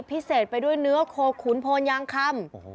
พิเศษไปด้วยเนื้อโคขุนโพนยางคำ